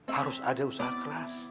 harus ada usaha keras